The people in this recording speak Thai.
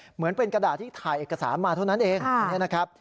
เหมือนเป็นกระดาษที่ถ่ายเอกสารมาเท่านั้นเองนะครับ